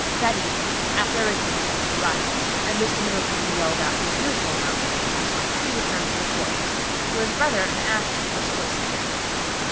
That evening, after everything was "put to rights" and Mr. Middleton had yelled out his usual amount of orders, he returned to the porch, where his brother and Ashton were still seated.